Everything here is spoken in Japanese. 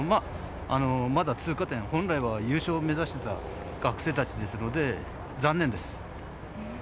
まだ通過点、本来は優勝を目指していた学生たちですので残念です。